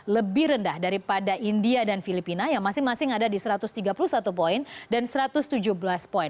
lebih rendah daripada india dan filipina yang masing masing ada di satu ratus tiga puluh satu poin dan satu ratus tujuh belas poin